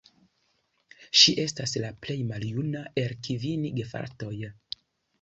Ŝi estas la plej maljuna el kvin gefratoj.